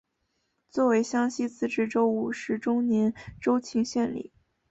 作为湘西自治州五十周年州庆献礼。